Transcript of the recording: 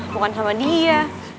bukan sama dia